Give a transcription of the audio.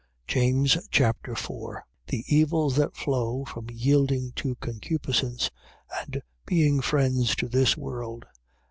James Chapter 4 The evils that flow from yielding to concupiscence and being friends to this world.